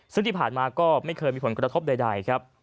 ซึ่งที่ผ่านมาก็ไม่เคยมีผลกระทบใดครับ